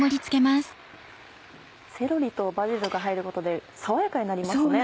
セロリとバジルが入ることで爽やかになりますね。